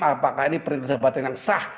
apakah ini perintah jabatan yang sah